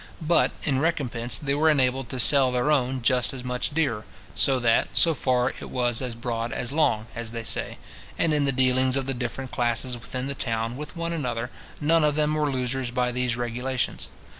But, in recompence, they were enabled to sell their own just as much dearer; so that, so far it was as broad as long, as they say; and in the dealings of the different classes within the town with one another, none of them were losers by these regulations.